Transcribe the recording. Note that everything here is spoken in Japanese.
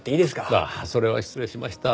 ああそれは失礼しました。